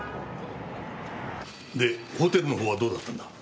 でホテルのほうはどうだったんだ？